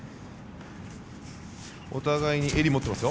お互いに襟を持っていますよ。